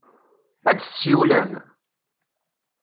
Ad d-tsiwlem?